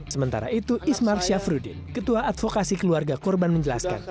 sementara itu ismar syafruddin ketua advokasi keluarga korban menjelaskan